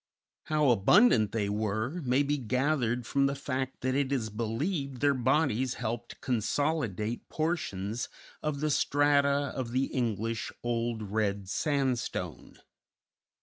How abundant they were may be gathered from the fact that it is believed their bodies helped consolidate portions of the strata of the English Old Red Sandstone.